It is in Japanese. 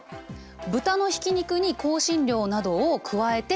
豚のひき肉に香辛料などを加えて調理した缶詰。